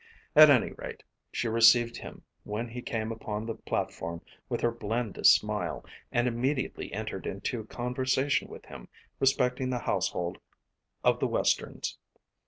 At any rate she received him when he came upon the platform with her blandest smile, and immediately entered into conversation with him respecting the household of the Westerns.